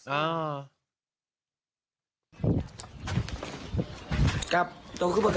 เอามานอนทั้งผัวคนอื่นอย่าบอก